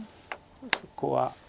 そこは。